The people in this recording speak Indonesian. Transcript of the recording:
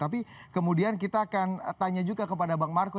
tapi kemudian kita akan tanya juga kepada bang marco